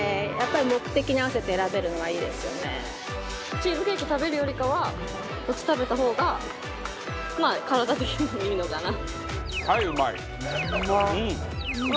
チーズケーキ食べるよりかはこっち食べた方がまあ、体的にもいいのかな。